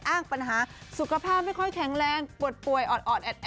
ปัญหาสุขภาพไม่ค่อยแข็งแรงปวดป่วยออดแอด